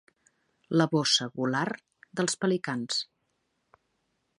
La bossa gular dels pelicans.